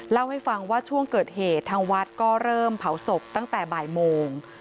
เล่าให้ฟังว่าช่วงเกิดเหตุทางวัดก็เริ่มเผาศพตั้งแต่บ่ายโมง